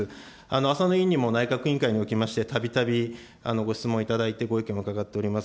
浅野委員にも内閣委員会におきまして、たびたびご質問いただいて、ご意見を伺っております。